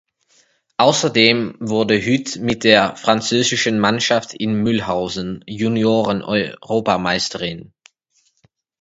Außerdem wurde Huet mit der französischen Mannschaft in Mülhausen Junioreneuropameisterin.